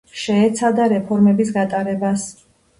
შეეცადა რეფორმების გატარებას.